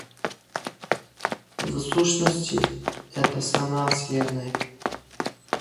В сущности, это сама Вселенная.